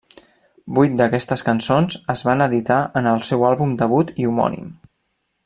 Vuit d'aquestes cançons es van editar en el seu àlbum debut i homònim.